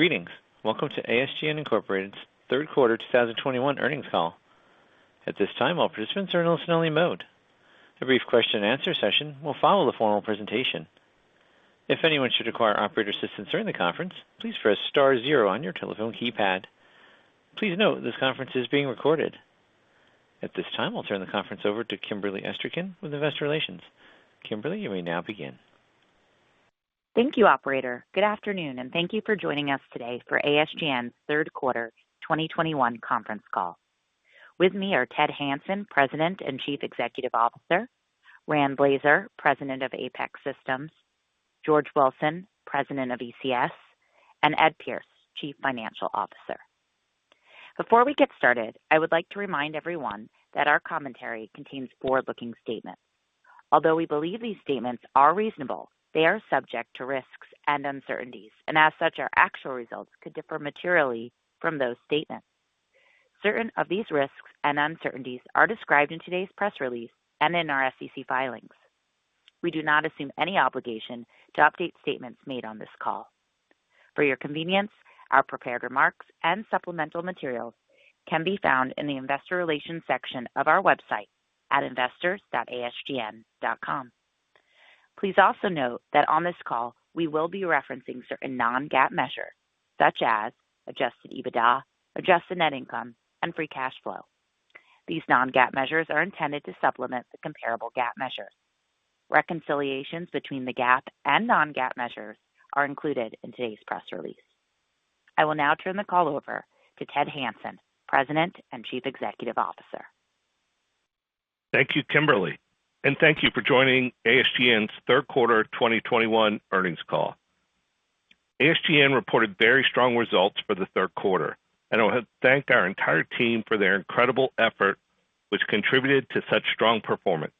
Greetings. Welcome to ASGN Incorporated's Third Quarter 2021 Earnings Call. At this time, all participants are in listen-only mode. A brief question and answer session will follow the formal presentation. If anyone should require operator assistance during the conference, please press star zero on your telephone keypad. Please note this conference is being recorded. At this time, I'll turn the conference over to Kimberly Esterkin with Investor Relations. Kimberly, you may now begin. Thank you, operator. Good afternoon, and thank you for joining us today for ASGN's third quarter 2021 conference call. With me are Ted Hanson, President and Chief Executive Officer, Rand Blazer, President of Apex Systems, George Wilson, President of ECS, and Ed Pierce, Chief Financial Officer. Before we get started, I would like to remind everyone that our commentary contains forward-looking statements. Although we believe these statements are reasonable, they are subject to risks and uncertainties, and as such, our actual results could differ materially from those statements. Certain of these risks and uncertainties are described in today's press release and in our SEC filings. We do not assume any obligation to update statements made on this call. For your convenience, our prepared remarks and supplemental materials can be found in the Investor Relations section of our website at investors.asgn.com. Please also note that on this call we will be referencing certain non-GAAP measures such as Adjusted EBITDA, adjusted net income, and free cash flow. These non-GAAP measures are intended to supplement the comparable GAAP measure. Reconciliations between the GAAP and non-GAAP measures are included in today's press release. I will now turn the call over to Ted Hanson, President and Chief Executive Officer. Thank you, Kimberly, and thank you for joining ASGN's third quarter 2021 earnings call. ASGN reported very strong results for the third quarter, and I want to thank our entire team for their incredible effort which contributed to such strong performance.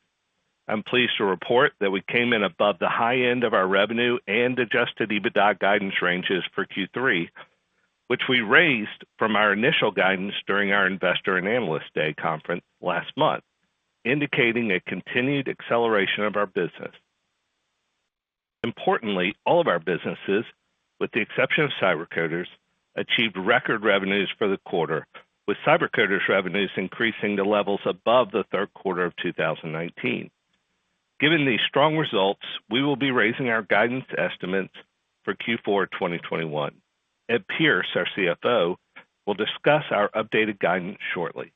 I'm pleased to report that we came in above the high end of our revenue and Adjusted EBITDA guidance ranges for Q3, which we raised from our initial guidance during our Investor and Analyst Day conference last month, indicating a continued acceleration of our business. Importantly, all of our businesses, with the exception of CyberCoders, achieved record revenues for the quarter, with CyberCoders revenues increasing to levels above the third quarter of 2019. Given these strong results, we will be raising our guidance estimates for Q4 2021. Ed Pierce, our CFO, will discuss our updated guidance shortly.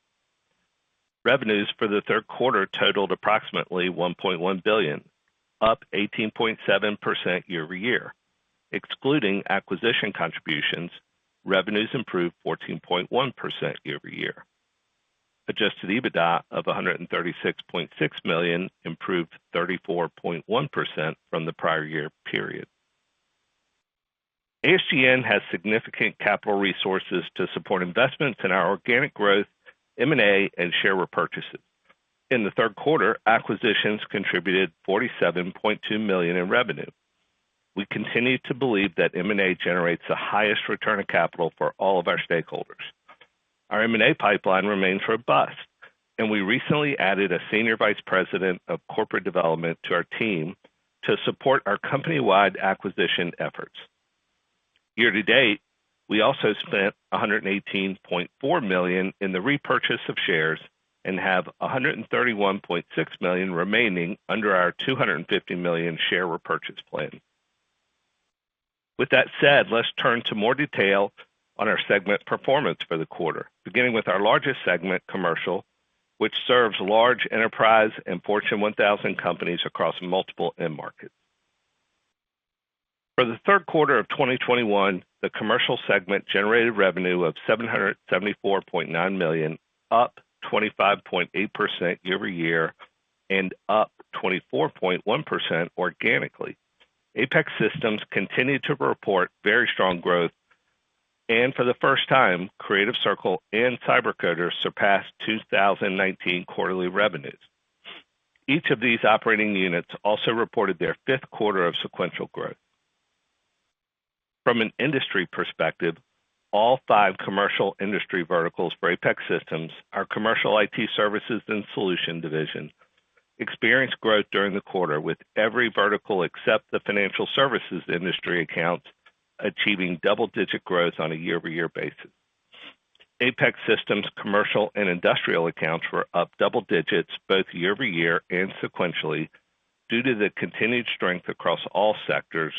Revenues for the third quarter totaled approximately $1.1 billion, up 18.7% year-over-year. Excluding acquisition contributions, revenues improved 14.1% year-over-year. Adjusted EBITDA of $136.6 million improved 34.1% from the prior year period. ASGN has significant capital resources to support investments in our organic growth, M&A, and share repurchases. In the third quarter, acquisitions contributed $47.2 million in revenue. We continue to believe that M&A generates the highest return of capital for all of our stakeholders. Our M&A pipeline remains robust, and we recently added a Senior Vice President of Corporate Development to our team to support our company-wide acquisition efforts. Year-to-date, we also spent $118.4 million in the repurchase of shares and have $131.6 million remaining under our $250 million share repurchase plan. With that said, let's turn to more detail on our segment performance for the quarter, beginning with our largest segment, Commercial, which serves large enterprise and Fortune 1000 companies across multiple end markets. For the third quarter of 2021, the Commercial segment generated revenue of $774.9 million, up 25.8% year-over-year, and up 24.1% organically. Apex Systems continued to report very strong growth, and for the first time, Creative Circle and CyberCoders surpassed 2019 quarterly revenues. Each of these operating units also reported their fifth quarter of sequential growth. From an industry perspective, all five commercial industry verticals for Apex Systems, our commercial IT services and Solutions Division, experienced growth during the quarter with every vertical except the financial services industry accounts achieving double-digit growth on a year-over-year basis. Apex Systems commercial and industrial accounts were up double digits both year-over-year and sequentially due to the continued strength across all sectors,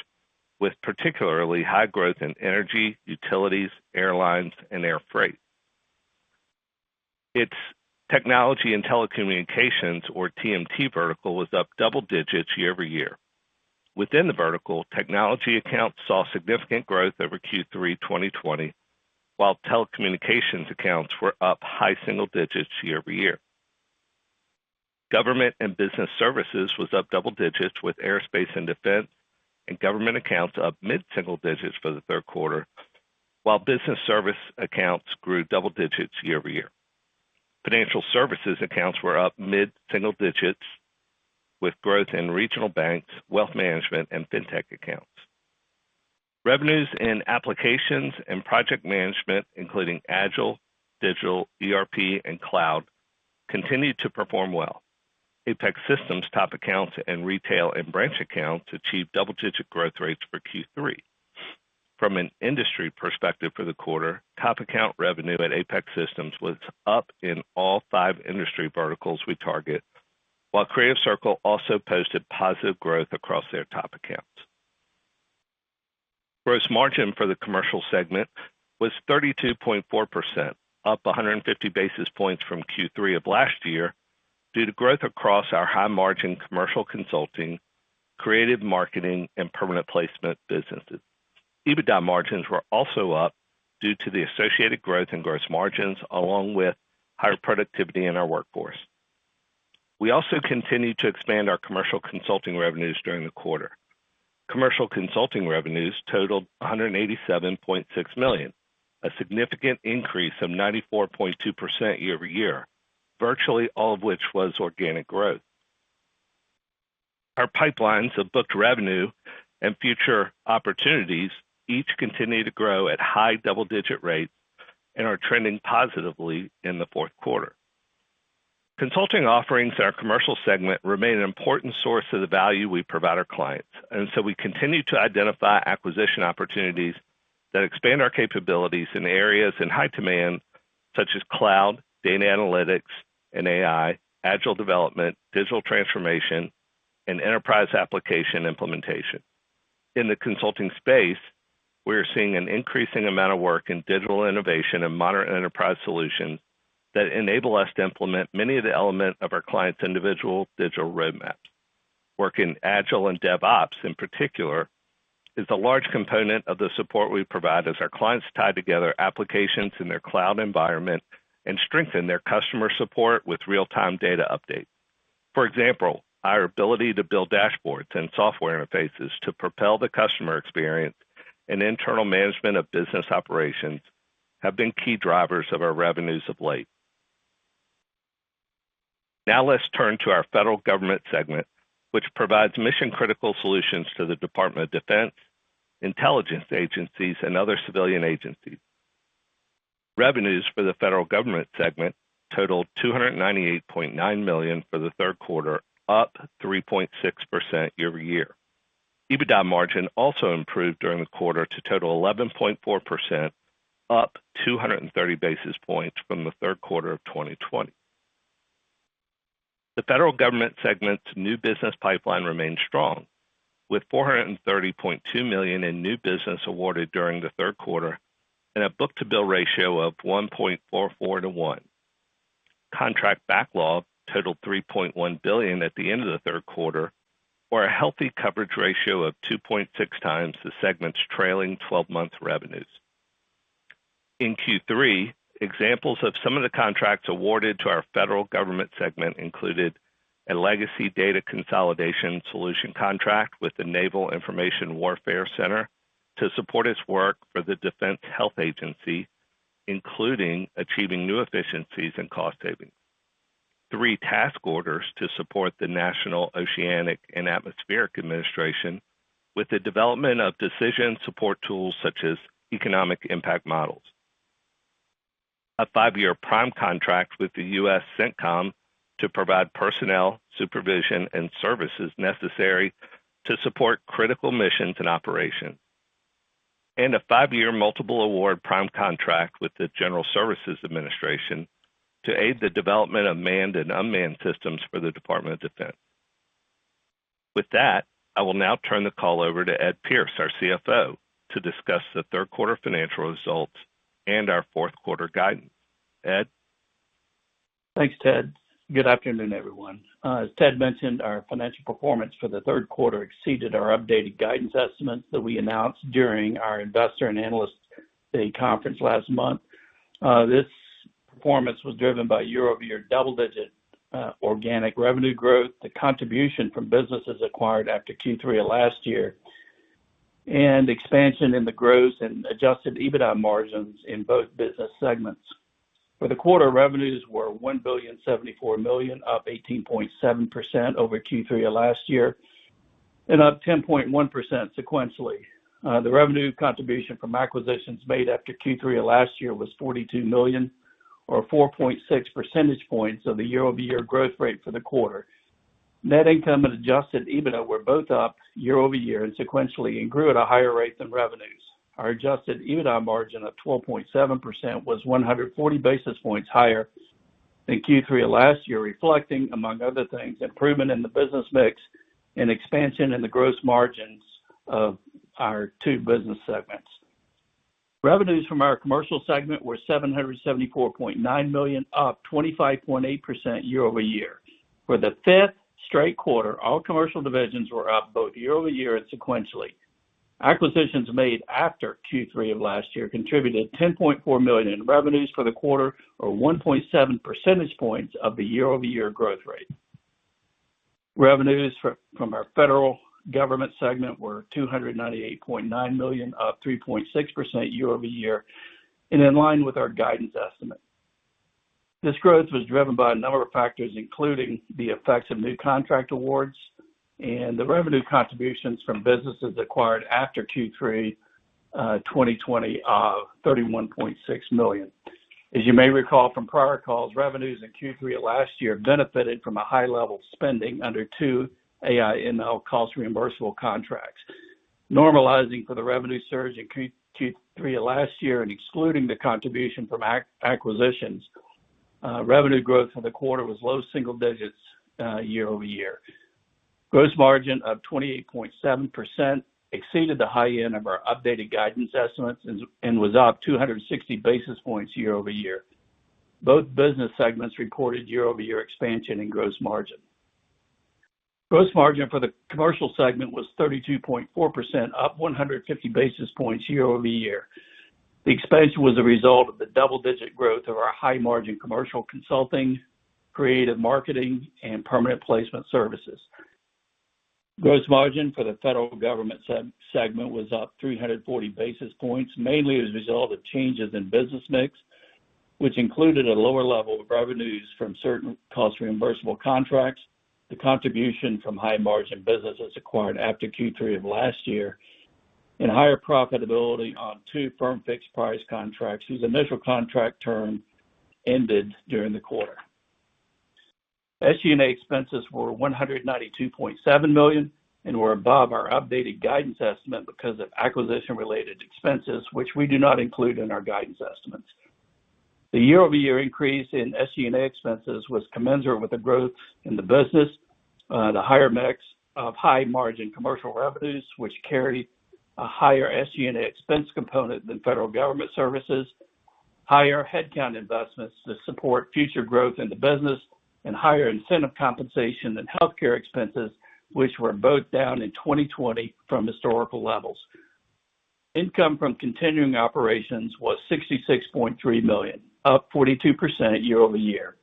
with particularly high growth in energy, utilities, airlines, and air freight. Its technology and telecommunications or TMT vertical was up double digits year-over-year. Within the vertical, technology accounts saw significant growth over Q3 2020, while telecommunications accounts were up high single digits year-over-year. Government and business services was up double digits, with aerospace and defense and government accounts up mid-single digits for the third quarter, while business service accounts grew double digits year-over-year. Financial services accounts were up mid-single digits, with growth in regional banks, wealth management, and fintech accounts. Revenues in applications and project management, including agile, digital, ERP, and cloud, continued to perform well. Apex Systems top accounts and retail and branch accounts achieved double-digit growth rates for Q3. From an industry perspective for the quarter, top account revenue at Apex Systems was up in all five industry verticals we target, while Creative Circle also posted positive growth across their top accounts. Gross margin for the commercial segment was 32.4%, up 150 basis points from Q3 of last year due to growth across our high-margin commercial consulting, creative marketing, and permanent placement businesses. EBITDA margins were also up due to the associated growth in gross margins along with higher productivity in our workforce. We also continued to expand our commercial consulting revenues during the quarter. Commercial consulting revenues totaled $187.6 million, a significant increase of 94.2% year-over-year, virtually all of which was organic growth. Our pipelines of booked revenue and future opportunities each continue to grow at high double-digit rates and are trending positively in the fourth quarter. Consulting offerings in our commercial segment remain an important source of the value we provide our clients, and so we continue to identify acquisition opportunities that expand our capabilities in areas in high demand, such as cloud, data analytics and AI, agile development, digital transformation, and enterprise application implementation. In the consulting space, we are seeing an increasing amount of work in digital innovation and modern enterprise solutions that enable us to implement many of the elements of our clients' individual digital roadmaps. Work in Agile and DevOps, in particular, is a large component of the support we provide as our clients tie together applications in their cloud environment and strengthen their customer support with real-time data updates. For example, our ability to build dashboards and software interfaces to propel the customer experience and internal management of business operations have been key drivers of our revenues of late. Now let's turn to our federal government segment, which provides mission-critical solutions to the Department of Defense, intelligence agencies, and other civilian agencies. Revenues for the federal government segment totaled $298.9 million for the third quarter, up 3.6% year-over-year. EBITDA margin also improved during the quarter to total 11.4%, up 230 basis points from the third quarter of 2020. The federal government segment's new business pipeline remains strong, with $430.2 million in new business awarded during the third quarter and a book-to-bill ratio of 1.44 to 1. Contract backlog totaled $3.1 billion at the end of the third quarter, or a healthy coverage ratio of 2.6x the segment's trailing 12-month revenues. In Q3, examples of some of the contracts awarded to our federal government segment included a legacy data consolidation solution contract with the Naval Information Warfare Center to support its work for the Defense Health Agency, including achieving new efficiencies and cost savings. Three task orders to support the National Oceanic and Atmospheric Administration with the development of decision support tools such as economic impact models. A five-year prime contract with the U.S. Central Command to provide personnel, supervision, and services necessary to support critical missions and operations. A five-year multiple award prime contract with the General Services Administration to aid the development of manned and unmanned systems for the Department of Defense. With that, I will now turn the call over to Ed Pierce, our CFO, to discuss the third quarter financial results and our fourth-quarter guidance. Ed? Thanks, Ted. Good afternoon, everyone. As Ted mentioned, our financial performance for the third quarter exceeded our updated guidance estimates that we announced during our Investor and Analyst Day conference last month. This performance was driven by year-over-year double-digit organic revenue growth, the contribution from businesses acquired after Q3 of last year, and expansion in the gross and Adjusted EBITDA margins in both business segments. For the quarter, revenues were $1.074 billion, up 18.7% over Q3 of last year, and up 10.1% sequentially. The revenue contribution from acquisitions made after Q3 of last year was $42 million or 4.6 percentage points of the year-over-year growth rate for the quarter. Net income and Adjusted EBITDA were both up year-over-year and sequentially, and grew at a higher rate than revenues. Our adjusted EBITDA margin of 12.7% was 140 basis points higher than Q3 of last year, reflecting, among other things, improvement in the business mix and expansion in the gross margins of our two business segments. Revenues from our commercial segment were $774.9 million, up 25.8% year-over-year. For the fifth straight quarter, all commercial divisions were up both year-over-year and sequentially. Acquisitions made after Q3 of last year contributed $10.4 million in revenues for the quarter, or 1.7 percentage points of the year-over-year growth rate. Revenues from our federal government segment were $298.9 million, up 3.6% year-over-year and in line with our guidance estimate. This growth was driven by a number of factors, including the effects of new contract awards and the revenue contributions from businesses acquired after Q3 2020, $31.6 million. As you may recall from prior calls, revenues in Q3 of last year benefited from a high level of spending under two AI/ML cost reimbursable contracts. Normalizing for the revenue surge in Q3 last year and excluding the contribution from acquisitions, revenue growth for the quarter was low single digits year-over-year. Gross margin of 28.7% exceeded the high end of our updated guidance estimates and was up 260 basis points year-over-year. Both business segments reported year-over-year expansion in gross margin. Gross margin for the commercial segment was 32.4%, up 150 basis points year-over-year. The expansion was a result of the double-digit growth of our high-margin commercial consulting, creative marketing, and permanent placement services. Gross margin for the federal government segment was up 340 basis points, mainly as a result of changes in business mix, which included a lower level of revenues from certain cost reimbursable contracts, the contribution from high-margin businesses acquired after Q3 of last year, and higher profitability on two firm fixed price contracts whose initial contract term ended during the quarter. SG&A expenses were $192.7 million and were above our updated guidance estimate because of acquisition-related expenses, which we do not include in our guidance estimates. The year-over-year increase in SG&A expenses was commensurate with the growth in the business, the higher mix of high-margin commercial revenues, which carry a higher SG&A expense component than federal government services, higher headcount investments to support future growth in the business, and higher incentive compensation than healthcare expenses, which were both down in 2020 from historical levels. Income from continuing operations was $66.3 million, up 42% year-over-year.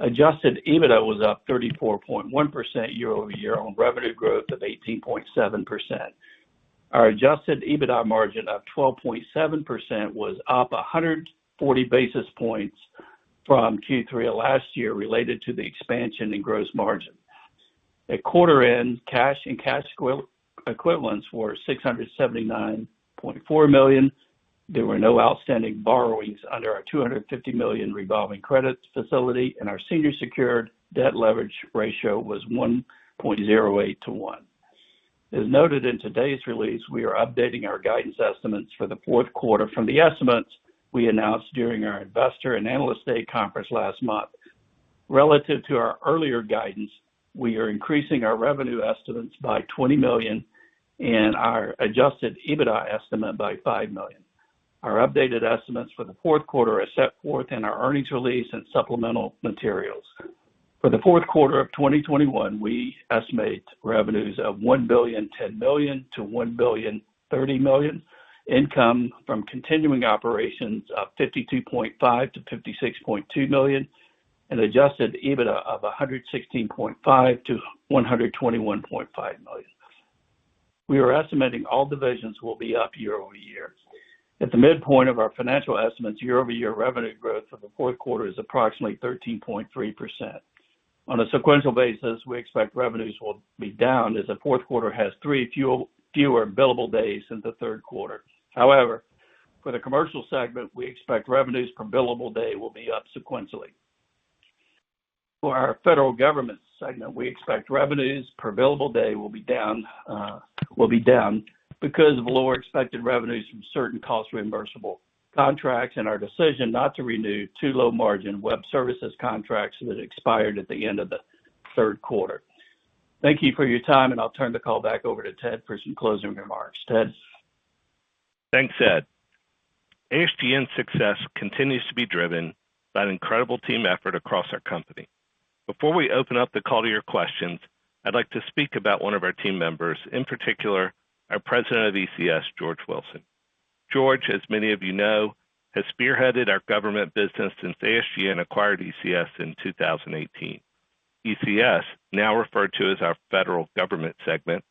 Adjusted EBITDA was up 34.1% year-over-year on revenue growth of 18.7%. Our Adjusted EBITDA margin of 12.7% was up 140 basis points from Q3 of last year related to the expansion in gross margin. At quarter end, cash and cash equivalents were $679.4 million. There were no outstanding borrowings under our $250 million revolving credit facility, and our senior secured debt leverage ratio was 1.08 to 1. As noted in today's release, we are updating our guidance estimates for the fourth quarter from the estimates we announced during our Investor and Analyst Day conference last month. Relative to our earlier guidance, we are increasing our revenue estimates by $20 million and our Adjusted EBITDA estimate by $5 million. Our updated estimates for the fourth quarter are set forth in our earnings release and supplemental materials. For the fourth quarter of 2021, we estimate revenues of $1.01 billion-$1.03 billion, income from continuing operations of $52.5 million-$56.2 million, and Adjusted EBITDA of $116.5 million-$121.5 million. We are estimating all divisions will be up year-over-year. At the midpoint of our financial estimates, year-over-year revenue growth for the fourth quarter is approximately 13.3%. On a sequential basis, we expect revenues will be down as the fourth quarter has fewer billable days than the third quarter. However, for the commercial segment, we expect revenues per billable day will be up sequentially. For our federal government segment, we expect revenues per billable day will be down because of lower expected revenues from certain cost reimbursable contracts and our decision not to renew two low-margin web services contracts that expired at the end of the third quarter. Thank you for your time, and I'll turn the call back over to Ted for some closing remarks. Ted? Thanks, Ed. ASGN's success continues to be driven by an incredible team effort across our company. Before we open up the call to your questions, I'd like to speak about one of our team members, in particular, our President of ECS, George Wilson. George, as many of you know, has spearheaded our government business since ASGN acquired ECS in 2018. ECS, now referred to as our federal government segment,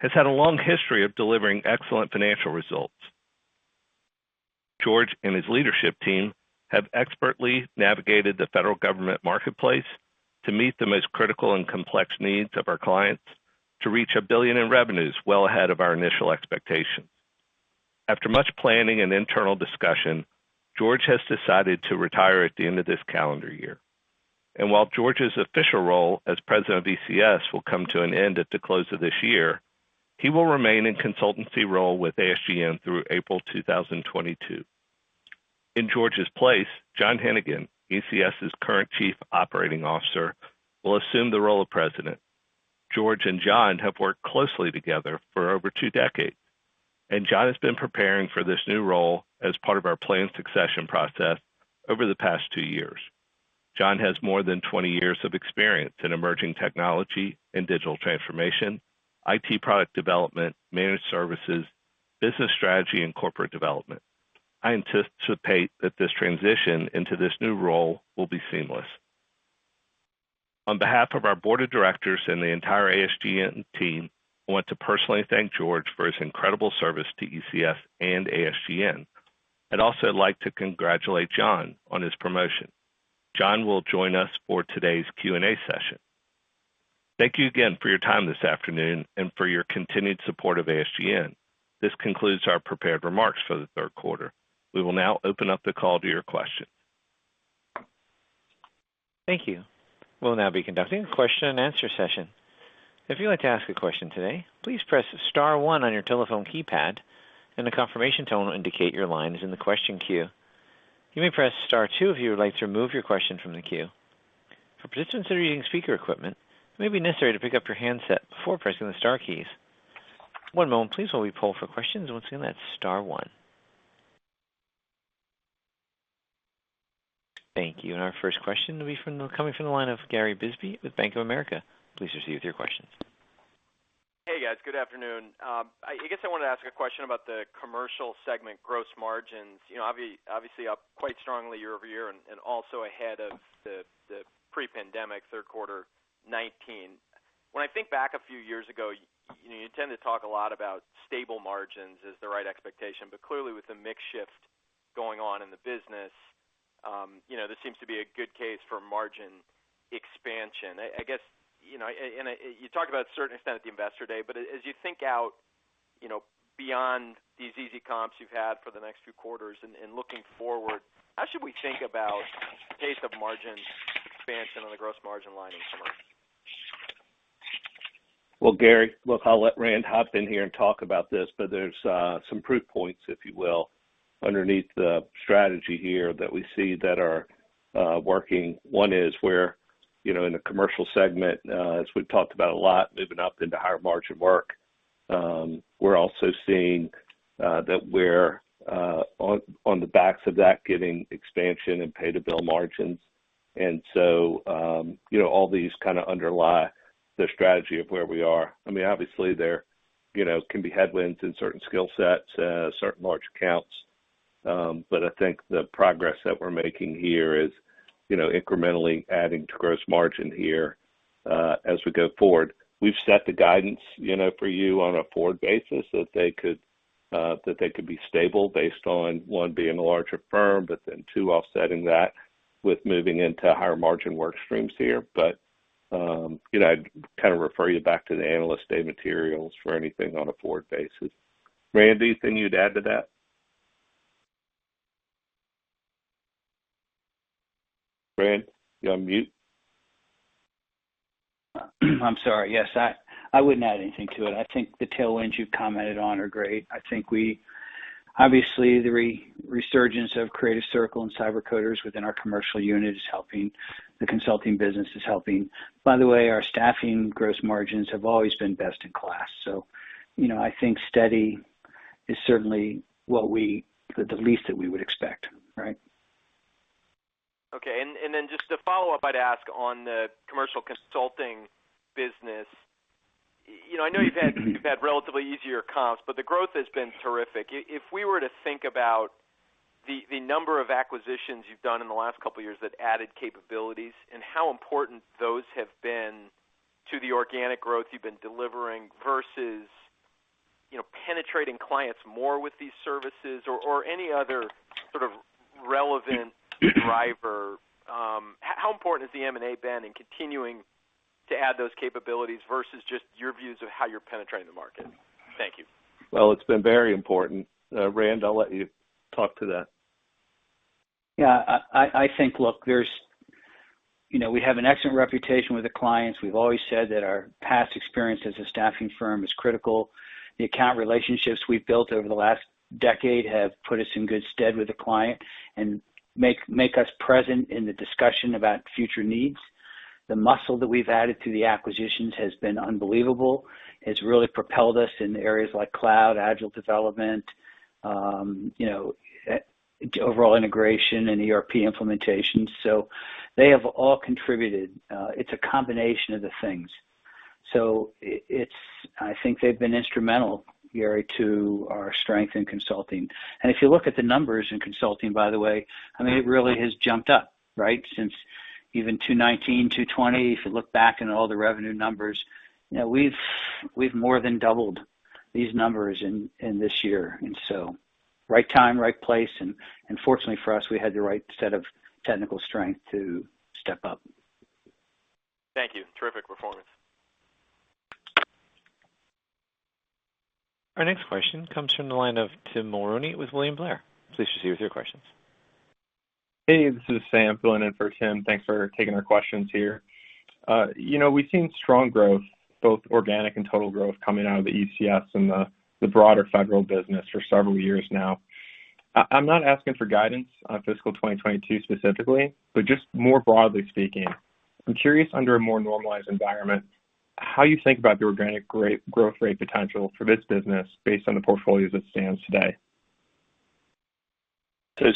has had a long history of delivering excellent financial results. George and his leadership team have expertly navigated the federal government marketplace to meet the most critical and complex needs of our clients to reach $1 billion in revenues well ahead of our initial expectations. After much planning and internal discussion, George has decided to retire at the end of this calendar year. While George's official role as President of ECS will come to an end at the close of this year, he will remain in consulting role with ASGN through April 2022. In George's place, John Heneghan, ECS's current Chief Operating Officer, will assume the role of President. George and John have worked closely together for over two decades, and John has been preparing for this new role as part of our planned succession process over the past two years. John has more than 20 years of experience in emerging technology and digital transformation, IT product development, managed services, business strategy, and corporate development. I anticipate that this transition into this new role will be seamless. On behalf of our board of directors and the entire ASGN team, I want to personally thank George for his incredible service to ECS and ASGN. I'd also like to congratulate John on his promotion. John will join us for today's Q&A session. Thank you again for your time this afternoon and for your continued support of ASGN. This concludes our prepared remarks for the third quarter. We will now open up the call to your questions. Thank you. We'll now be conducting a question and answer session. If you'd like to ask a question today, please press star one on your telephone keypad, and a confirmation tone will indicate your line is in the question queue. You may press star two if you would like to remove your question from the queue. For participants that are using speaker equipment, it may be necessary to pick up your handset before pressing the star keys. One moment please, while we poll for questions. Once again, that's star one. Thank you. Our first question will be coming from the line of Gary Bisbee with Bank of America. Please proceed with your questions. Hey, guys. Good afternoon. I guess I wanted to ask a question about the commercial segment gross margins. You know, obviously up quite strongly year-over-year and also ahead of the pre-pandemic third quarter 2019. When I think back a few years ago, you know, you tend to talk a lot about stable margins as the right expectation. Clearly, with the mix shift going on in the business, you know, this seems to be a good case for margin expansion. I guess, you know, and you talked about to a certain extent at the Investor Day, but as you think about, you know, beyond these easy comps you've had for the next few quarters and looking forward, how should we think about the case for margin expansion on the gross margin line in summary? Well, Gary, look, I'll let Rand hop in here and talk about this, but there's some proof points, if you will, underneath the strategy here that we see that are working. One is where, you know, in the commercial segment, as we've talked about a lot, moving up into higher margin work. We're also seeing that we're on the backs of that getting expansion and pay-to-bill margins. You know, all these kind of underlie the strategy of where we are. I mean, obviously, there can be headwinds in certain skill sets, certain large accounts. But I think the progress that we're making here is incrementally adding to gross margin here, as we go forward. We've set the guidance, you know, for you on a forward basis, that they could be stable based on, one, being a larger firm, but then, two, offsetting that with moving into higher margin work streams here. You know, I'd kind of refer you back to the Analyst Day materials for anything on a forward basis. Rand, anything you'd add to that? Rand, you're on mute. I'm sorry. Yes, I wouldn't add anything to it. I think the tailwinds you've commented on are great. I think we obviously, the resurgence of Creative Circle and CyberCoders within our commercial unit is helping. The consulting business is helping. By the way, our staffing gross margins have always been best in class, so, you know, I think steady is certainly what we the least that we would expect, right? Okay. Just a follow-up I'd ask on the commercial consulting business. You know, I know you've had relatively easier comps, but the growth has been terrific. If we were to think about the number of acquisitions you've done in the last couple of years that added capabilities and how important those have been to the organic growth you've been delivering versus, you know, penetrating clients more with these services or any other sort of relevant driver, how important has the M&A been in continuing to add those capabilities versus just your views of how you're penetrating the market? Thank you. Well, it's been very important. Rand, I'll let you talk to that. Yeah, I think, look, there's, you know, we have an excellent reputation with the clients. We've always said that our past experience as a staffing firm is critical. The account relationships we've built over the last decade have put us in good stead with the client and make us present in the discussion about future needs. The muscle that we've added through the acquisitions has been unbelievable. It's really propelled us in areas like cloud, agile development, you know, overall integration and ERP implementation. So they have all contributed. It's a combination of the things. So it's I think they've been instrumental, Gary, to our strength in consulting. If you look at the numbers in consulting, by the way, I mean, it really has jumped up, right, since even 2019, 2020. If you look back on all the revenue numbers, you know, we've more than doubled these numbers in this year. Right time, right place. Fortunately for us, we had the right set of technical strength to step up. Thank you. Terrific performance. Our next question comes from the line of Tim Mulrooney with William Blair. Please proceed with your questions. Hey, this is Sam filling in for Tim. Thanks for taking our questions here. You know, we've seen strong growth, both organic and total growth, coming out of the ECS and the broader federal business for several years now. I'm not asking for guidance on fiscal 2022 specifically, but just more broadly speaking, I'm curious, under a more normalized environment, how you think about the organic growth rate potential for this business based on the portfolio as it stands today.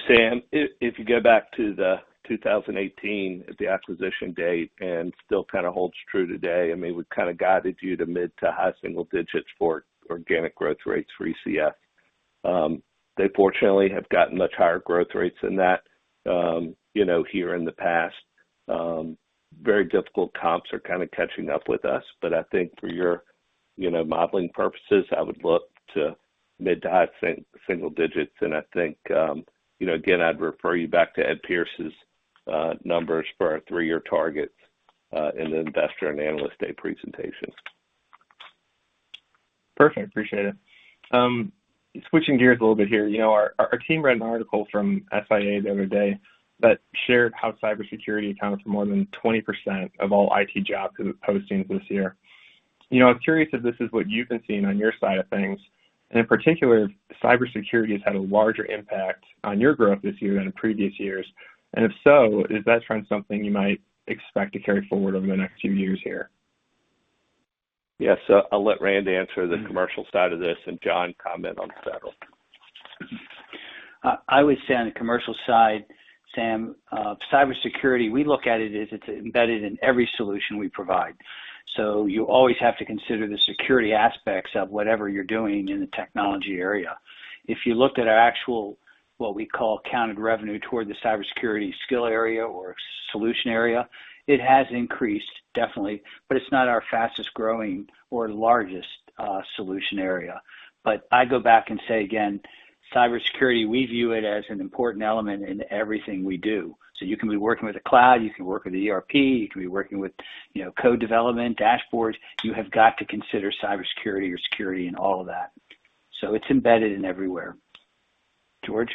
Sam, if you go back to 2018, the acquisition date, and still kind of holds true today, I mean, we've kind of guided you to mid- to high-single-digit percentage for organic growth rates for ECS. They fortunately have gotten much higher growth rates than that, you know, here in the past. Very difficult comps are kind of catching up with us, but I think for your, you know, modeling purposes, I would look to mid- to high-single-digit percent. I think, you know, again, I'd refer you back to Ed Pierce's numbers for our three-year targets in the Investor and Analyst Day presentation. Perfect. Appreciate it. Switching gears a little bit here. You know, our team read an article from SIA the other day that shared how cybersecurity accounted for more than 20% of all IT job postings this year. You know, I'm curious if this is what you've been seeing on your side of things. In particular, if cybersecurity has had a larger impact on your growth this year than in previous years. If so, is that trend something you might expect to carry forward over the next few years here? Yes. I'll let Rand answer the commercial side of this and John comment on federal. I would say on the commercial side, Sam, cybersecurity, we look at it as it's embedded in every solution we provide. So you always have to consider the security aspects of whatever you're doing in the technology area. If you looked at our actual, what we call counted revenue toward the cybersecurity skill area or solution area, it has increased, definitely, but it's not our fastest growing or largest solution area. But I go back and say again, cybersecurity, we view it as an important element in everything we do. So you can be working with the cloud, you can work with the ERP, you can be working with, you know, code development, dashboards. You have got to consider cybersecurity or security in all of that. So it's embedded in everywhere. George?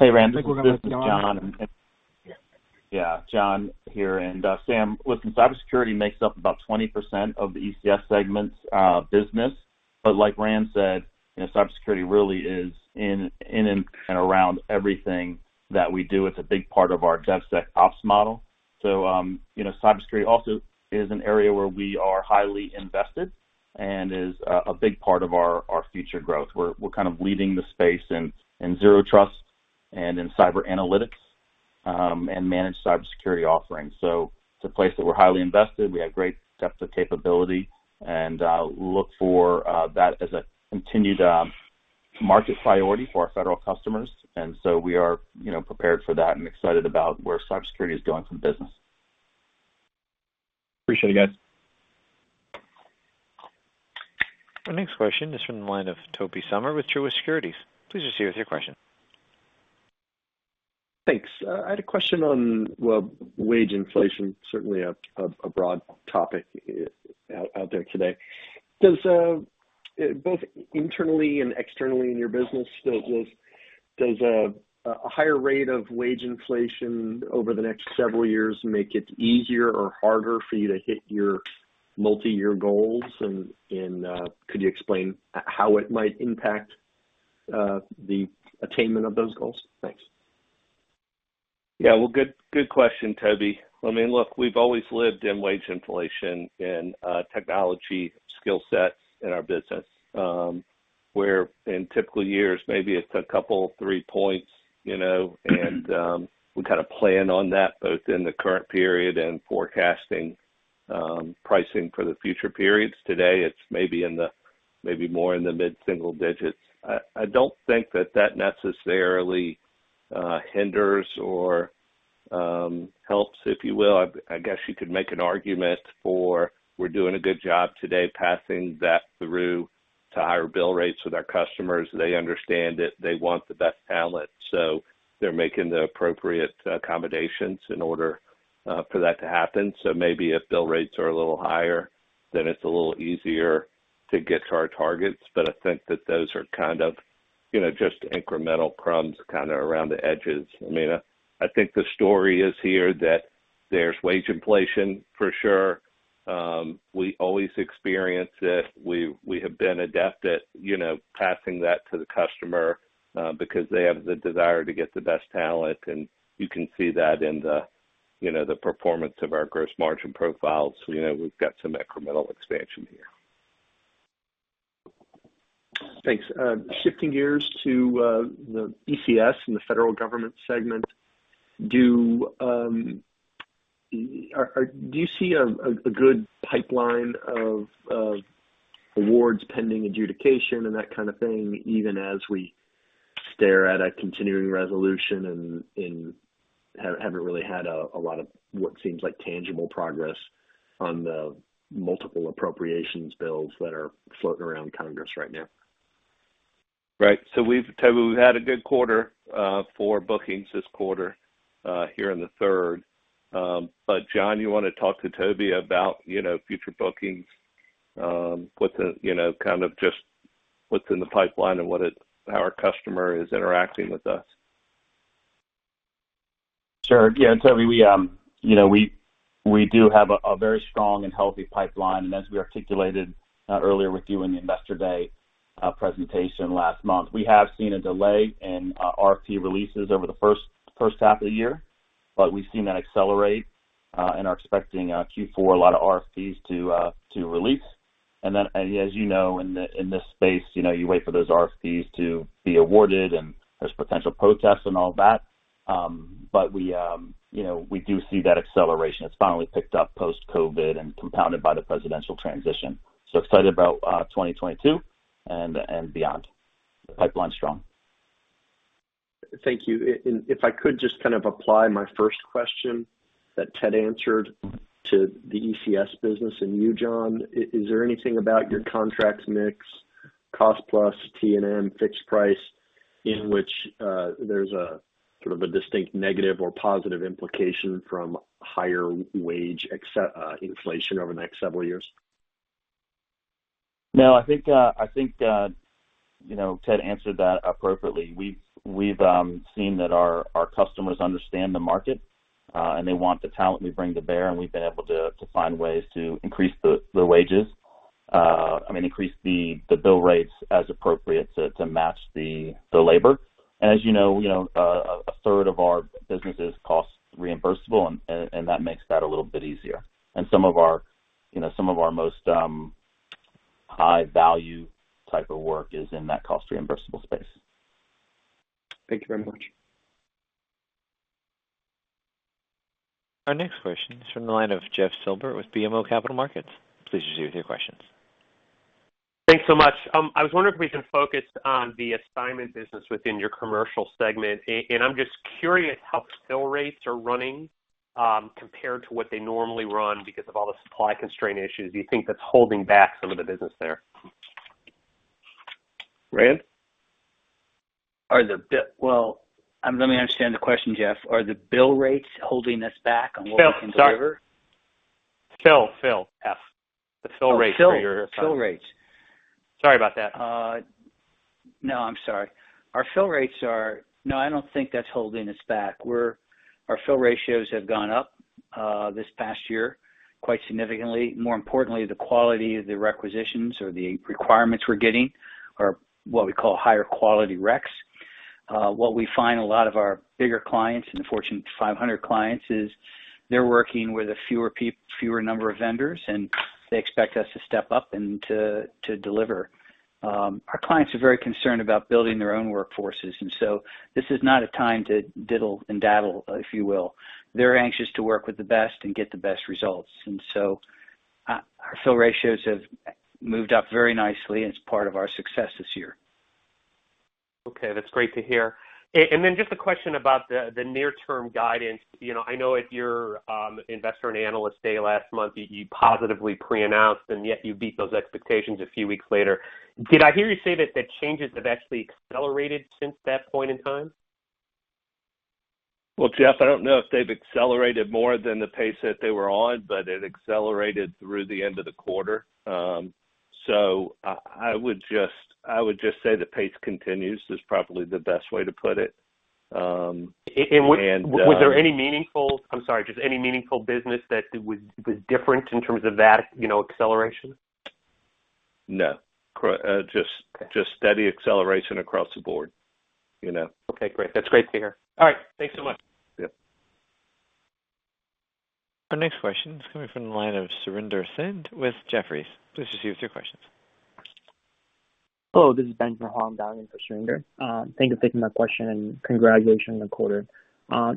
Hey, Rand. This is John. I think we're gonna let John on. Yeah, John here. Sam, listen, cybersecurity makes up about 20% of the ECS segment's business. Like Rand said, you know, cybersecurity really is in and around everything that we do. It's a big part of our DevSecOps model. You know, cybersecurity also is an area where we are highly invested and is a big part of our future growth. We're kind of leading the space in Zero Trust and in cyber analytics and managed cybersecurity offerings. It's a place that we're highly invested. We have great depth of capability, and look for that as a continued market priority for our federal customers. We are, you know, prepared for that and excited about where cybersecurity is going for business. Appreciate it, guys. Our next question is from the line of Tobey Sommer with Truist Securities. Please proceed with your question. Thanks. I had a question on, well, wage inflation, certainly a broad topic out there today. Does both internally and externally in your business a higher rate of wage inflation over the next several years make it easier or harder for you to hit your multi-year goals? Could you explain how it might impact the attainment of those goals? Thanks. Yeah. Well, good question, Tobey. I mean, look, we've always lived in wage inflation in technology skill sets in our business, where in typical years, maybe it's a couple, three points, you know, and we kind of plan on that both in the current period and forecasting pricing for the future periods. Today, it's maybe more in the mid-single digits. I don't think that necessarily hinders or helps, if you will. I guess you could make an argument for we're doing a good job today passing that through to higher bill rates with our customers. They understand it. They want the best talent, so they're making the appropriate accommodations in order for that to happen. Maybe if bill rates are a little higher, then it's a little easier to get to our targets. I think that those are kind of, you know, just incremental crumbs kind of around the edges. I mean, I think the story is here that there's wage inflation for sure. We always experience it. We have been adept at, you know, passing that to the customer, because they have the desire to get the best talent, and you can see that in the, you know, the performance of our gross margin profile. You know, we've got some incremental expansion here. Thanks. Shifting gears to the ECS and the federal government segment, do you see a good pipeline of awards pending adjudication and that kind of thing, even as we stare at a continuing resolution and haven't really had a lot of what seems like tangible progress on the multiple appropriations bills that are floating around Congress right now? Right. We've had a good quarter for bookings this quarter here in the third. John, you wanna talk to Tobey about, you know, future bookings, what the, you know, kind of just what's in the pipeline and how our customer is interacting with us. Sure. Yeah. Tobey, you know, we do have a very strong and healthy pipeline. As we articulated earlier with you in the Investor Day presentation last month, we have seen a delay in RFP releases over the first half of the year. We've seen that accelerate and are expecting Q4 a lot of RFPs to release. Then as you know, in this space, you know, you wait for those RFPs to be awarded, and there's potential protests and all of that. We, you know, do see that acceleration. It's finally picked up post-COVID and compounded by the presidential transition. Excited about 2022 and beyond. The pipeline's strong. Thank you. If I could just kind of apply my first question that Ted answered to the ECS business and you, John. Is there anything about your contracts mix, cost-plus T and M fixed-price in which there's a sort of a distinct negative or positive implication from higher wage escalation over the next several years? No, I think you know, Ted answered that appropriately. We've seen that our customers understand the market, and they want the talent we bring to bear, and we've been able to find ways to increase the wages. I mean, increase the bill rates as appropriate to match the labor. As you know, you know, a third of our business is cost reimbursable, and that makes that a little bit easier. Some of our, you know, most high value type of work is in that cost reimbursable space. Thank you very much. Our next question is from the line of Jeff Silber with BMO Capital Markets. Please proceed with your questions. Thanks so much. I was wondering if we can focus on the assignment business within your commercial segment. I'm just curious how fill rates are running, compared to what they normally run because of all the supply constraint issues. Do you think that's holding back some of the business there? Rand? Well, let me understand the question, Jeff. Are the bill rates holding us back on what we can deliver? The fill rate for your- Oh, fill rates. Sorry about that. No, I'm sorry. No, I don't think that's holding us back. Our fill ratios have gone up this past year quite significantly. More importantly, the quality of the requisitions or the requirements we're getting are what we call higher quality reqs. What we find a lot of our bigger clients in the Fortune 500 clients is they're working with a fewer number of vendors, and they expect us to step up and to deliver. Our clients are very concerned about building their own workforces, and so this is not a time to dilly-dally, if you will. They're anxious to work with the best and get the best results. Our fill ratios have moved up very nicely, and it's part of our success this year. Okay. That's great to hear. Just a question about the near term guidance. You know, I know at your Investor and Analyst Day last month, you positively pre-announced, and yet you beat those expectations a few weeks later. Did I hear you say that the changes have actually accelerated since that point in time? Well, Jeff, I don't know if they've accelerated more than the pace that they were on, but it accelerated through the end of the quarter. So I would just say the pace continues is probably the best way to put it, and- I'm sorry, just any meaningful business that was different in terms of that, you know, acceleration? No. Co- uh, just- Just steady acceleration across the board, you know? Okay, great. That's great to hear. All right. Thanks so much. Our next question is coming from the line of Surinder Thind with Jefferies. Please proceed with your questions. Hello, this is Ben Verhajm dialing for Surinder. Thank you for taking my question, and congratulations on the quarter.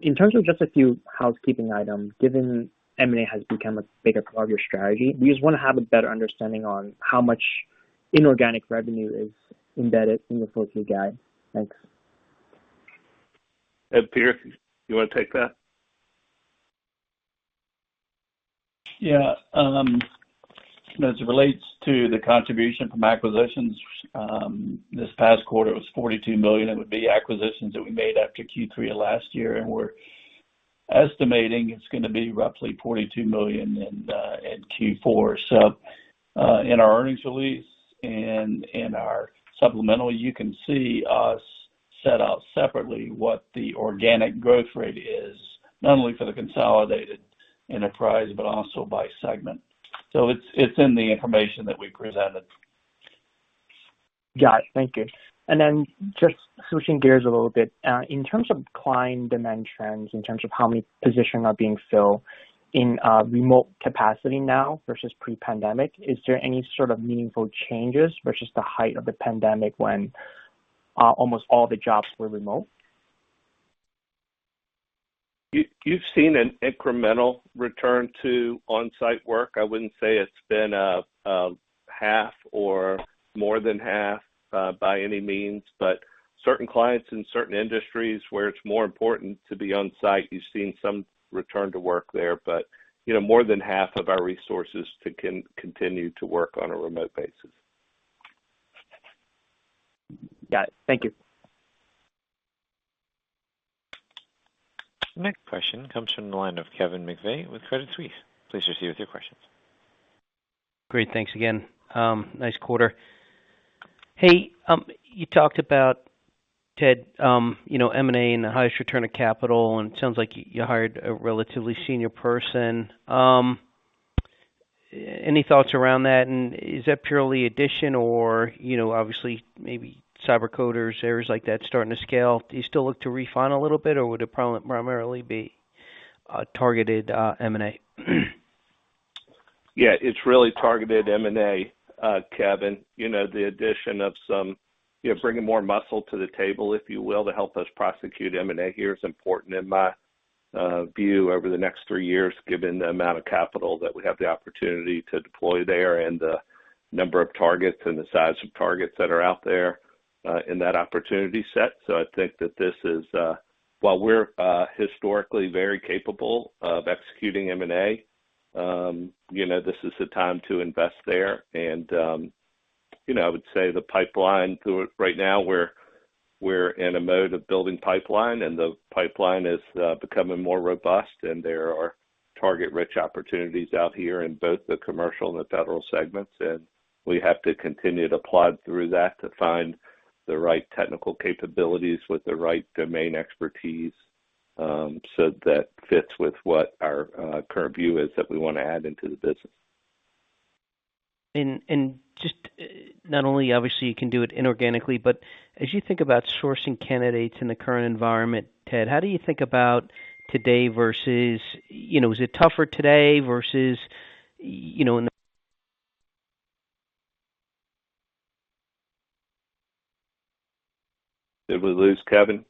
In terms of just a few housekeeping items, given M&A has become a bigger part of your strategy, we just wanna have a better understanding on how much inorganic revenue is embedded in the full-year guide. Thanks. Ed Pierce, you wanna take that? Yeah. As it relates to the contribution from acquisitions, this past quarter, it was $42 million. It would be acquisitions that we made after Q3 of last year, and we're estimating it's gonna be roughly $42 million in Q4. In our earnings release and in our supplemental, you can see us set out separately what the organic growth rate is, not only for the consolidated enterprise, but also by segment. It's in the information that we presented. Got it. Thank you. Just switching gears a little bit. In terms of client demand trends, in terms of how many positions are being filled in a remote capacity now versus pre-pandemic, is there any sort of meaningful changes versus the height of the pandemic when almost all the jobs were remote? You've seen an incremental return to on-site work. I wouldn't say it's been a half or more than half by any means. Certain clients in certain industries where it's more important to be on site, you've seen some return to work there. You know, more than half of our resources continue to work on a remote basis. Got it. Thank you. Next question comes from the line of Kevin McVeigh with Credit Suisse. Please proceed with your questions. Great. Thanks again. Nice quarter. Hey, you talked about, Ted, you know, M&A and the highest return of capital, and it sounds like you hired a relatively senior person. Any thoughts around that? And is that purely addition or, you know, obviously maybe CyberCoders, areas like that starting to scale. Do you still look to refine a little bit, or would it primarily be targeted M&A? Yeah, it's really targeted M&A, Kevin. You know, the addition of some, you know, bringing more muscle to the table, if you will, to help us prosecute M&A here is important in my View over the next three years, given the amount of capital that we have the opportunity to deploy there and the number of targets and the size of targets that are out there in that opportunity set. I think that this is, while we're historically very capable of executing M&A, you know, this is the time to invest there. You know, I would say the pipeline to it right now, we're in a mode of building pipeline, and the pipeline is becoming more robust, and there are target-rich opportunities out here in both the commercial and the federal segments. We have to continue to plod through that to find the right technical capabilities with the right domain expertise, so that fits with what our current view is that we wanna add into the business. Just, not only obviously you can do it inorganically, but as you think about sourcing candidates in the current environment, Ted, how do you think about today versus, you know, is it tougher today versus, you know, in the- Did we lose Kevin?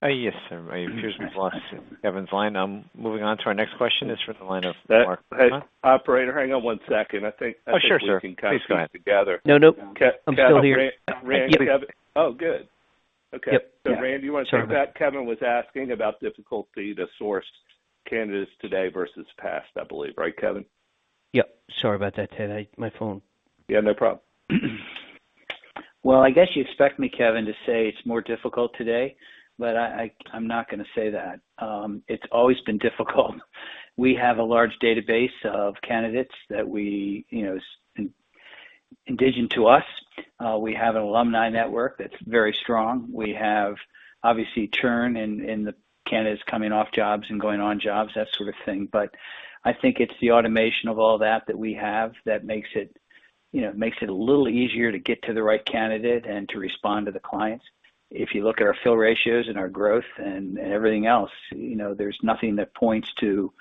Yes, sir. It appears we've lost Kevin's line. I'm moving on to our next question. It's for the line of Mark- Hey, operator, hang on one second. I think. Oh, sure, sir. I think we can kind of keep together. No, nope. I'm still here. Rand. Kevin. Oh, good. Okay. Yep. Yeah. Rand, do you wanna take that? Kevin was asking about difficulty to source candidates today versus past, I believe. Right, Kevin? Yep. Sorry about that, Ted. My phone. Yeah, no problem. Well, I guess you expect me, Kevin, to say it's more difficult today, but I'm not gonna say that. It's always been difficult. We have a large database of candidates that we, you know, are indigenous to us. We have an alumni network that's very strong. We have obviously churn in the candidates coming off jobs and going on jobs, that sort of thing. I think it's the automation of all that that we have that makes it a little easier to get to the right candidate and to respond to the clients. If you look at our fill ratios and our growth and everything else, you know, there's nothing that points to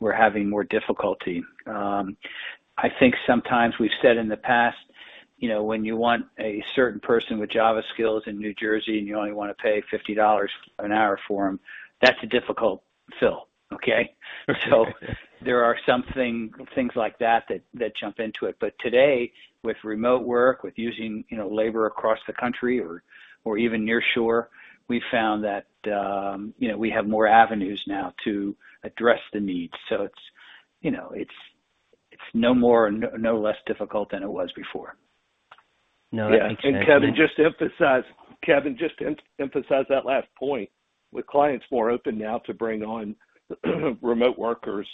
we're having more difficulty. I think sometimes we've said in the past, you know, when you want a certain person with Java skills in New Jersey, and you only wanna pay $50 an hour for them, that's a difficult fill, okay? So there are something, things like that jump into it. But today, with remote work, with using, you know, labor across the country or even near shore, we found that, you know, we have more avenues now to address the needs. So it's, you know, it's no more or no less difficult than it was before. No, that makes sense. Kevin, just to emphasize that last point. With clients more open now to bring on remote workers,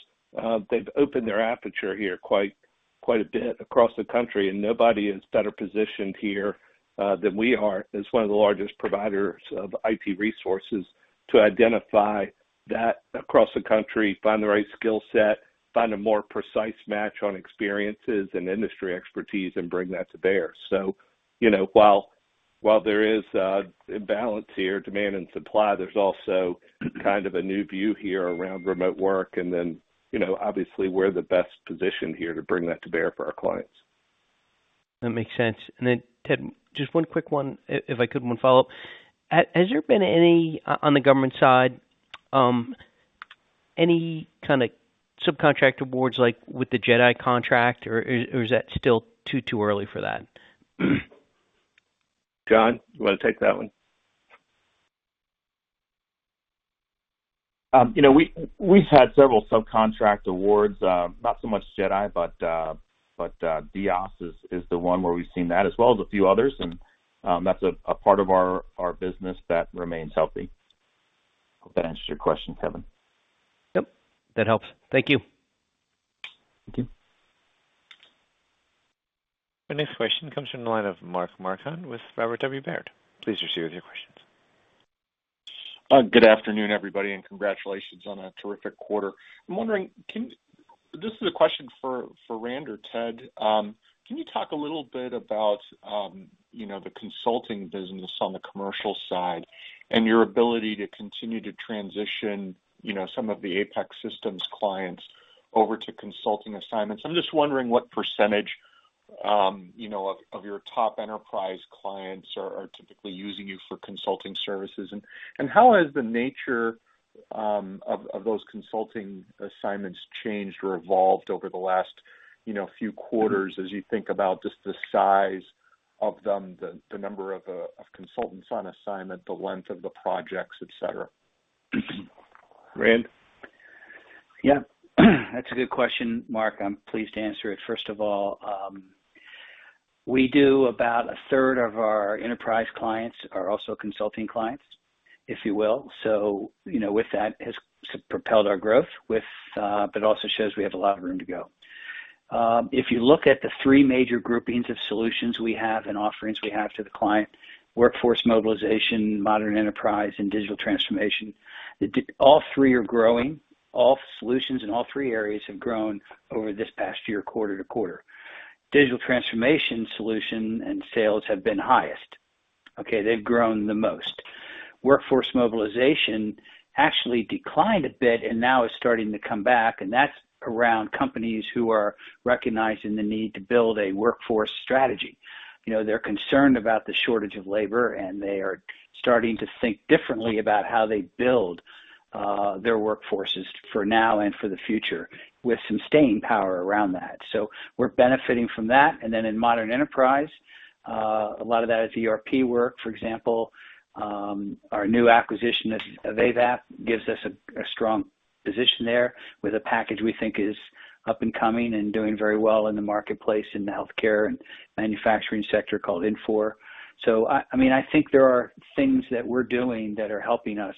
they've opened their aperture here quite a bit across the country, and nobody is better positioned here than we are as one of the largest providers of IT resources to identify that across the country, find the right skill set, find a more precise match on experiences and industry expertise, and bring that to bear. You know, while there is an imbalance here, demand and supply, there's also kind of a new view here around remote work, and then, you know, obviously we're the best positioned here to bring that to bear for our clients. That makes sense. Ted, just one quick one, if I could, one follow-up. Has there been any, on the government side, any kinda subcontract awards like with the JEDI contract, or is that still too early for that? John, you wanna take that one? You know, we've had several subcontract awards, not so much JEDI, but DEOS is the one where we've seen that as well as a few others. That's a part of our business that remains healthy. Hope that answers your question, Kevin. Yep, that helps. Thank you. Thank you. Our next question comes from the line of Mark Marcon with Robert W. Baird. Please proceed with your questions. Good afternoon, everybody, and congratulations on a terrific quarter. This is a question for Rand or Ted. Can you talk a little bit about, you know, the consulting business on the commercial side and your ability to continue to transition, you know, some of the Apex Systems clients over to consulting assignments? I'm just wondering what percentage, you know, of your top enterprise clients are typically using you for consulting services. How has the nature of those consulting assignments changed or evolved over the last, you know, few quarters as you think about just the size of them, the number of consultants on assignment, the length of the projects, et cetera? Rand? Yeah. That's a good question, Mark. I'm pleased to answer it. First of all, we do about a third of our enterprise clients are also consulting clients, if you will. You know, with that, has propelled our growth with, but also shows we have a lot of room to go. If you look at the three major groupings of solutions we have and offerings we have to the client, workforce mobilization, modern enterprise, and digital transformation all three are growing. All solutions in all three areas have grown over this past year, quarter-to-quarter. Digital transformation solution and sales have been highest, okay? They've grown the most. Workforce mobilization actually declined a bit and now is starting to come back, and that's around companies who are recognizing the need to build a workforce strategy. You know, they're concerned about the shortage of labor, and they are starting to think differently about how they build their workforces for now and for the future with some staying power around that. We're benefiting from that. In modern enterprise, a lot of that is ERP work, for example. Our new acquisition of Avaap gives us a strong position there with a package we think is up and coming and doing very well in the marketplace in the healthcare and manufacturing sector called Infor. I mean, I think there are things that we're doing that are helping us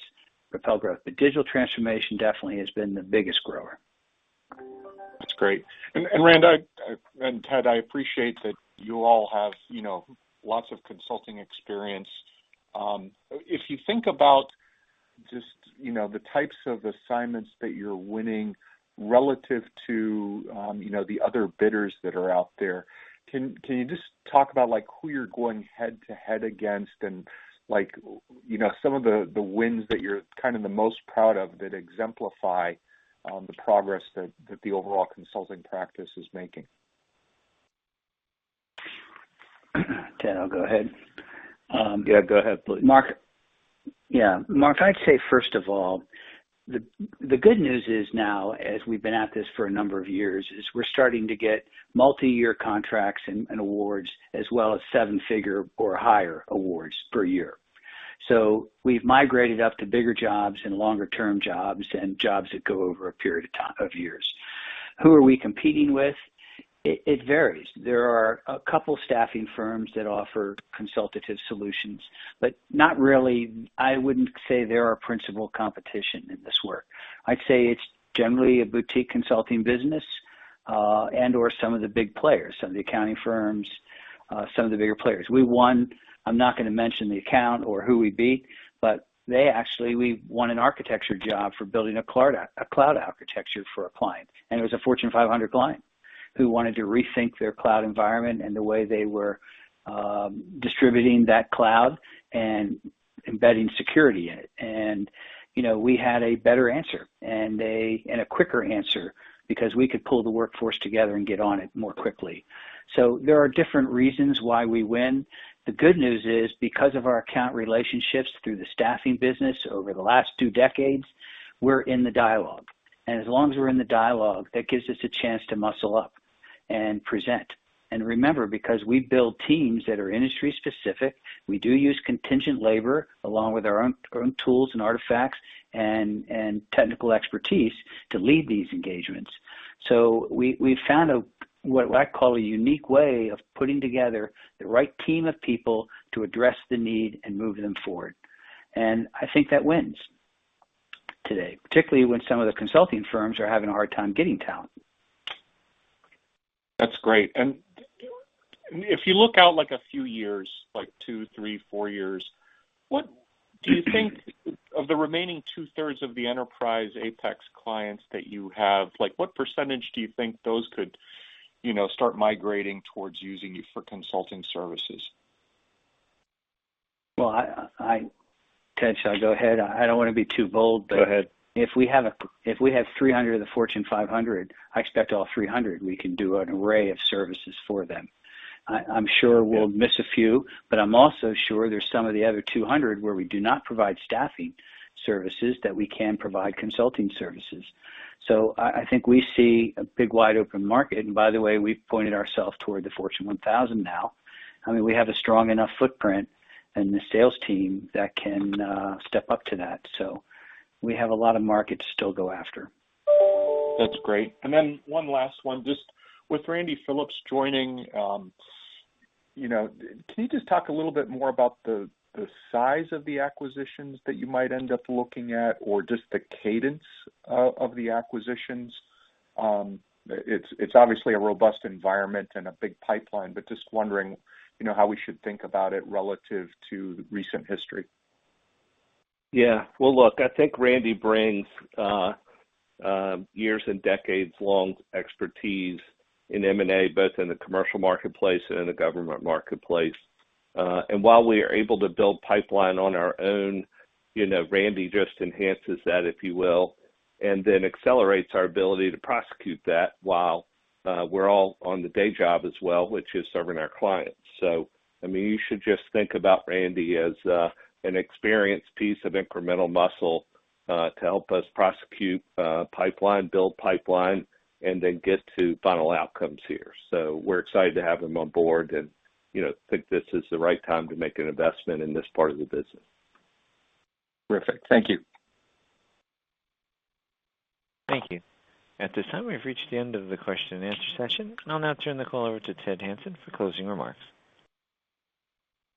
propel growth, but digital transformation definitely has been the biggest grower. That's great. Rand, I appreciate that you all have, you know, lots of consulting experience. If you think about just, you know, the types of assignments that you're winning relative to, you know, the other bidders that are out there, can you just talk about like who you're going head to head against and like, you know, some of the wins that you're kind of the most proud of that exemplify the progress that the overall consulting practice is making? Ted, I'll go ahead. Yeah, go ahead, please. Mark. Yeah, Mark, I'd say first of all, the good news is now, as we've been at this for a number of years, is we're starting to get multi-year contracts and awards as well as seven-figure or higher awards per year. We've migrated up to bigger jobs and longer-term jobs and jobs that go over a period of years. Who are we competing with? It varies. There are a couple staffing firms that offer consultative solutions, but not really. I wouldn't say they're our principal competition in this work. I'd say it's generally a boutique consulting business, and/or some of the big players, some of the accounting firms, some of the bigger players. We won an architecture job for building a cloud architecture for a client, and it was a Fortune 500 client who wanted to rethink their cloud environment and the way they were distributing that cloud and embedding security in it. You know, we had a better answer and a quicker answer because we could pull the workforce together and get on it more quickly. There are different reasons why we win. The good news is, because of our account relationships through the staffing business over the last two decades, we're in the dialogue. As long as we're in the dialogue, that gives us a chance to muscle up and present. Remember, because we build teams that are industry specific, we do use contingent labor along with our own tools and artifacts and technical expertise to lead these engagements. We've found a what I call a unique way of putting together the right team of people to address the need and move them forward. I think that wins today, particularly when some of the consulting firms are having a hard time getting talent. That's great. If you look out like a few years, like two, three, four years, what do you think of the remaining two-thirds of the enterprise Apex clients that you have? Like, what percentage do you think those could, you know, start migrating towards using you for consulting services? Well, Ted, shall I go ahead? I don't want to be too bold, but. Go ahead. If we have 300 of the Fortune 500, I expect all 300 we can do an array of services for them. I'm sure we'll miss a few, but I'm also sure there's some of the other 200 where we do not provide staffing services that we can provide consulting services. I think we see a big wide open market. By the way, we've pointed ourselves toward the Fortune 1000 now. I mean, we have a strong enough footprint in the sales team that can step up to that. We have a lot of market to still go after. That's great. One last one. Just with Randy Phillips joining, you know, can you just talk a little bit more about the size of the acquisitions that you might end up looking at or just the cadence of the acquisitions? It's obviously a robust environment and a big pipeline, but just wondering, you know, how we should think about it relative to recent history. Yeah. Well, look, I think Randy brings years and decades-long expertise in M&A, both in the commercial marketplace and in the government marketplace. While we are able to build pipeline on our own, you know, Randy just enhances that, if you will, and then accelerates our ability to prosecute that while we're all on the day job as well, which is serving our clients. I mean, you should just think about Randy as an experienced piece of incremental muscle to help us prosecute pipeline, build pipeline, and then get to final outcomes here. We're excited to have him on board and, you know, think this is the right time to make an investment in this part of the business. Terrific. Thank you. Thank you. At this time, we've reached the end of the question and answer session. I'll now turn the call over to Ted Hanson for closing remarks.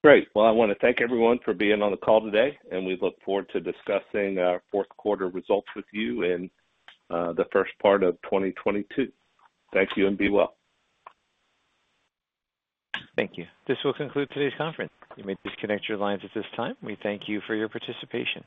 Great. Well, I wanna thank everyone for being on the call today, and we look forward to discussing our fourth quarter results with you in the first part of 2022. Thank you, and be well. Thank you. This will conclude today's conference. You may disconnect your lines at this time. We thank you for your participation.